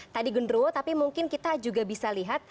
tadi gundro tapi mungkin kita juga bisa lihat